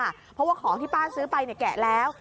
เพราะว่าของที่ป้าซื้อไปแกะแล้ว